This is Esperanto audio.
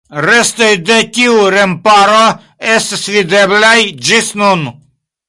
Restoj de tiu remparo estas videblaj ĝis nun.